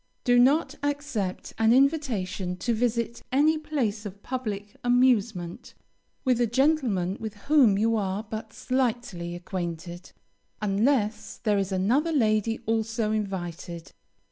Do not accept an invitation to visit any place of public amusement, with a gentleman with whom you are but slightly acquainted, unless there is another lady also invited.